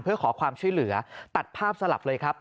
เพื่อขอความช่วยเหลือตัดภาพสลับเลยครับ